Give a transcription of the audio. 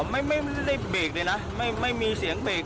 ไม่ได้เบรกเลยนะไม่มีเสียงเบรก